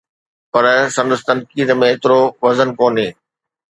پر سندس تنقيد ۾ ايترو وزن ڪونهي.